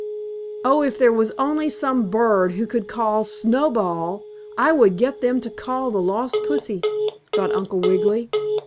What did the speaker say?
"Oh, if there was only some bird who could call 'Snowball' I would get them to call for the lost pussy," thought Uncle Wiggily.